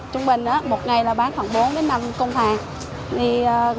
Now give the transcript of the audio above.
trung bình một ngày bán khoảng bốn năm công hàng